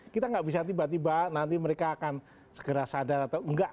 kita nggak bisa tiba tiba nanti mereka akan segera sadar atau enggak